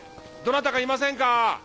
どなたかいませんか。